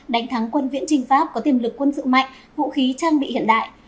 đánh thắng quân viễn trình pháp có tiềm lực quân sự mạnh vũ khí trang bị hiện đại